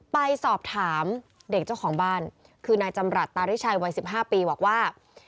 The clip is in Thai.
ไปสอบถามเด็กเจ้าของบ้านคือนายจำรัฐตาริชัยวัย๑๕ปีบอกว่า